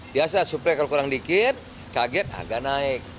biasa suplai kalau kurang dikit kaget agak naik